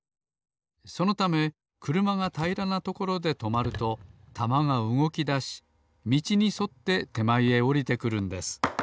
そのためくるまがたいらなところでとまるとたまがうごきだしみちにそっててまえへおりてくるんです。